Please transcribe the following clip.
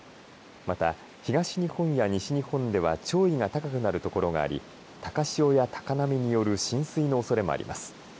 また東日本や西日本では潮位が高くなる所があり高潮や高波による浸水のおそれもあります。